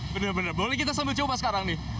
benar benar boleh kita sambil coba sekarang nih